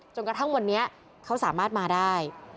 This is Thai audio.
จนกระทั่งวันนี้เขาสามารถมาได้